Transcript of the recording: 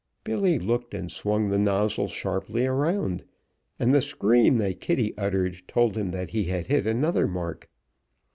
Billy looked, and swung the nozzle sharply around, and the scream that Kitty uttered told him that he had hit another mark.